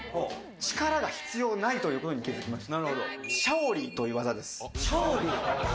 力が必要ないということに気付きました。